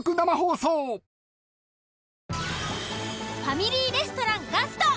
ファミリーレストラン「ガスト」。